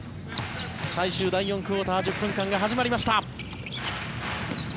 最終第４クオーター１０分間が始まりました。